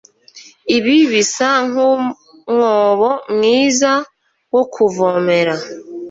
Ibi bisa nkumwobo mwiza wo kuvomera.